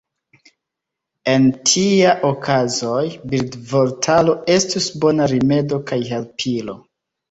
En tiaj okazoj, bildvortaro estus bona rimedo kaj helpilo.